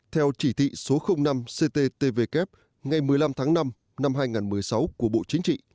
theo chỉ thị số năm cttvk ngày một mươi năm tháng năm năm hai nghìn một mươi sáu của bộ chính trị